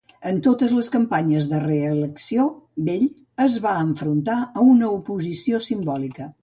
En totes les campanyes de reelecció, Bell es va enfrontar a una oposició simbòlica.